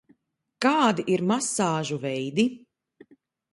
Kādi ir masāžu veidi?